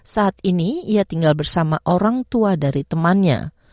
saat ini ia tinggal bersama orang tua dari temannya